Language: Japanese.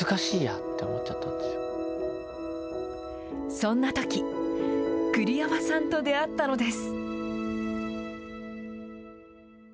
そんなとき、栗山さんと出会ったのです。